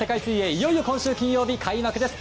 いよいよ今週金曜日開幕です。